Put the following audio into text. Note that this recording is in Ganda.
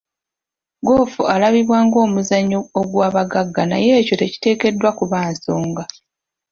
Ggoofu alabibwa ng'omuzannyo ogw'abagagga naye ekyo tekiteekeddwa kuba nsonga.